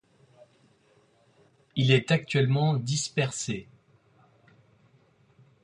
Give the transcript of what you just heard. Il est actuellement dispersé.